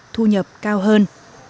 thu nhập cao hơn